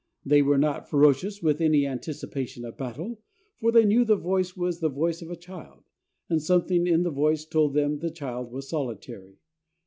They were not ferocious with any anticipation of battle, for they knew the voice was the voice of a child, and something in the voice told them the child was solitary.